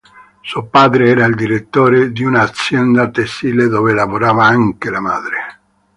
Suo padre era il direttore di un'azienda tessile dove lavorava anche la madre.